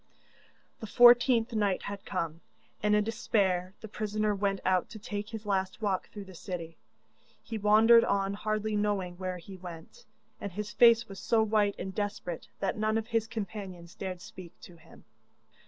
The fourteenth night had come, and in despair the prisoner went out to take his last walk through the city. He wandered on hardly knowing where he went, and his face was so white and desperate that none of his companions dared speak to him.